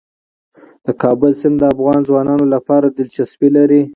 د کابل سیند د افغان ځوانانو لپاره دلچسپي لري.